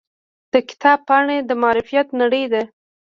د کتاب پاڼې د معرفت نړۍ ده.